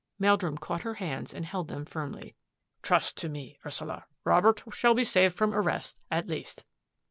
'' Meldrum caught her hands and held them firmly. " Trust to me, Ursula. Robert shall be saved from arrest, at least."